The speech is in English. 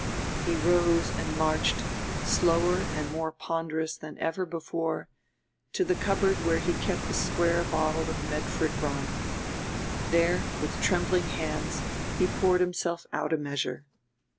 He rose and marched, slower and more ponderous than ever before, to the cupboard where he kept the square bottle of Medford rum; there, with trembling hands, he poured himself out a measure.